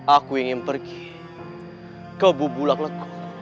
aku ingin pergi ke bubulak leku